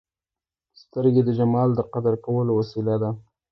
سترګې د جمال د قدر کولو وسیله ده